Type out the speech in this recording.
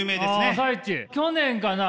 去年かな？